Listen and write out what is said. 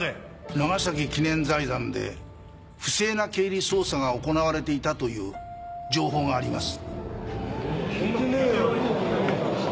長崎記念財団で不正な経理操作が行われていたという情報があります。